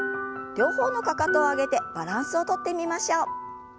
両方のかかとを上げてバランスをとってみましょう。